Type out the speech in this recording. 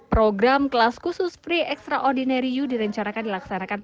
program kelas khusus free extraordinary u direncanakan dilaksanakan